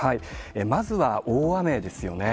まずは大雨ですよね。